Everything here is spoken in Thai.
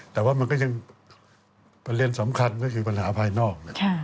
แต่ว่ามันก็ยังปัญหาภายนอก